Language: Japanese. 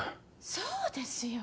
そうですよ。